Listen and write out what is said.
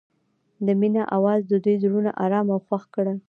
د مینه اواز د دوی زړونه ارامه او خوښ کړل.